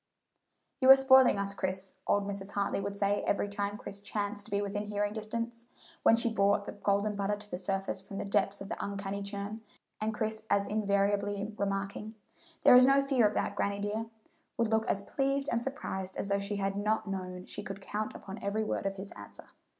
"You are spoiling us, Chris," old Mrs. Hartley would say every time Chris chanced to be within hearing distance, when she brought the golden butter to the surface from the depths of the uncanny churn; and Chris as invariably remarking, "There is no fear of that, granny dear," would look as pleased and surprised as though she had not known she could count upon every word of his answer.